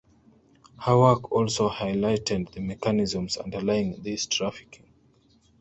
Her work also highlighted the mechanisms underlying this trafficking.